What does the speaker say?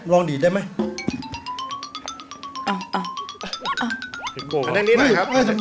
ลองดีดได้ไหม